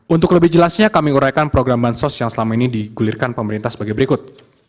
untuk lebih jelasnya kami uraikan program bansos yang selama ini digulirkan pemerintah sebagai berikut